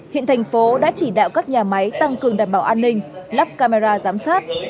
hiện thành phố đã chỉ đạo các nhà máy tăng cường đảm bảo an ninh lắp camera giám sát